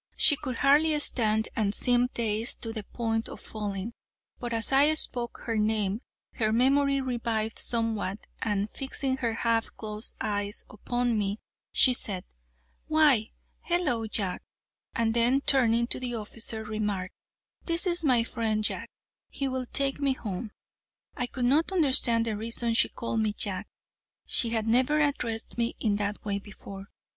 She could hardly stand, and seemed dazed to the point of falling, but as I spoke her name, her memory revived somewhat, and, fixing her half closed eyes upon me, she said: "Why, hello Jack" And then, turning to the officer, remarked: "This is my friend Jack; he will take me home." I could not understand the reason she called me Jack. She had never addressed me in that way before.